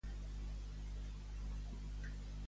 Què va ocórrer amb tots un cop van entrar els militars romans?